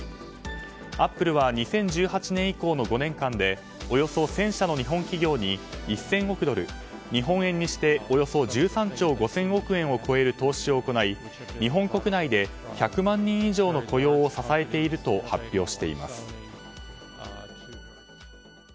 アップルは２０１８年以降の５年間でおよそ１０００社の日本企業に１０００億ドル日本円にしておよそ１３兆５０００億円を超える投資を行い本国内で１００万人以上の雇用を支えていると発表しています。